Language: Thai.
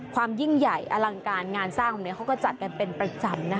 ความยิ่งใหญ่อลังการงานสร้างของนี้ก็จัดเป็นประจำ